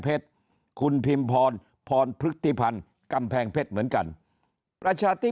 เพชรคุณพิมพรพรพฤติภัณฑ์กำแพงเพชรเหมือนกันประชาธิ